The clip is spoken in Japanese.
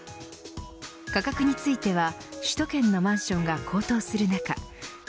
価格については首都圏のマンションが高騰する中